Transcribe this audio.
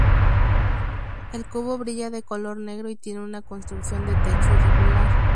El cubo brilla de color negro y tiene una construcción de techo irregular.